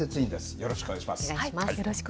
よろしくお願いします。